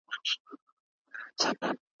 اقتصادي پریکړې د دولت او بازار ترمنځ همغږي لري.